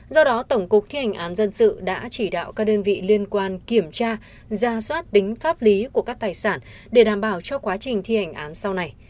do đó tổng cục thi hành án dân sự đã chỉ đạo các đơn vị liên quan kiểm tra ra soát tính pháp lý của các tài sản để đảm bảo cho quá trình thi hành án sau này